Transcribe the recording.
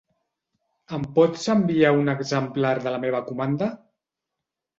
Em pots enviar un exemplar de la meva comanda?